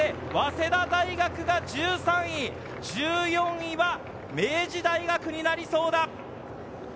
そして早稲田大学１３位、１４位は明治大学になりそうだ。